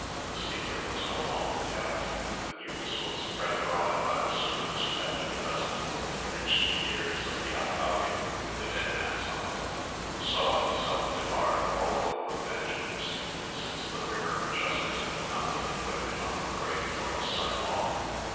The secret was no longer kept; the news was spread abroad by the servants who had been present, and reached the ears of the alcalde, the dead man's uncle, who saw himself debarred of all hope of vengeance, since the rigour of justice could not be inflicted on the corregidor's son in law.